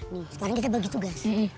nih sekarang kita bagi tugas